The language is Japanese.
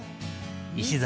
石崎